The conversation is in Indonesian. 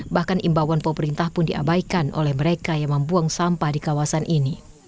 bahkan imbauan pemerintah pun diabaikan oleh mereka yang membuang sampah di kawasan ini